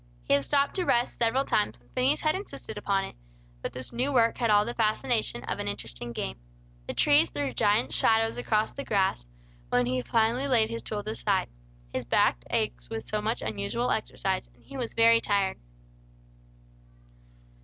He had stopped to rest several times, when Phineas had insisted upon it; but this new work had all the fascination of an interesting game. The trees threw giant shadows across the grass, when he finally laid his tools aside. His back ached with so much unusual exercise, and he was very tired.